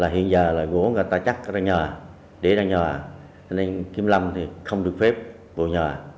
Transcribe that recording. hiện giờ là gỗ người ta chắc ra nhờ để ra nhờ nên kiểm lâm thì không được phép vào nhờ